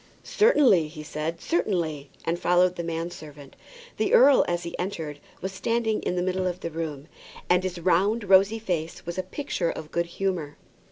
"Certainly," he said, "certainly;" and followed the man servant. The earl, as he entered, was standing in the middle of the room, and his round rosy face was a picture of good humour.